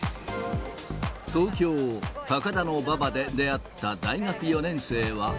東京・高田馬場で出会った大学４年生は。